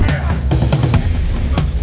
kau tak bisa berpikir pikir